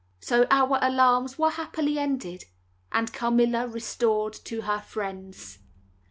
So our alarms were happily ended, and Carmilla restored to her friends.